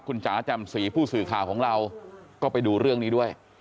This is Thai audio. คุณจ๋าแจ่มสีผู้สื่อข่าวของเราก็ไปดูเรื่องนี้ด้วย